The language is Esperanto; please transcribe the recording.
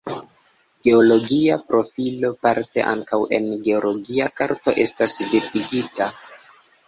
Geologia profilo parte ankaŭ en geologia karto estas bildigita.